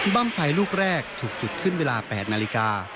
บ้างไฟลูกแรกถูกจุดขึ้นเวลา๘นาฬิกา